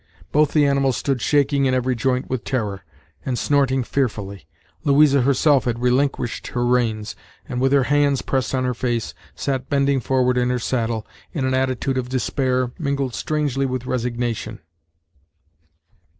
Both the animals stood shaking in every joint with terror, and snorting fearfully. Louisa herself had relinquished her reins, and, with her hands pressed on her face, sat bending forward in her saddle, in an attitude of despair, mingled strangely with resignation.